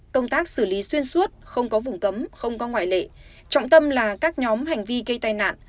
công tác xử lý xuyên suốt không có vùng cấm không có ngoại lệ trọng tâm là các nhóm hành vi gây tai nạn